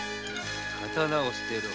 刀を捨てろ。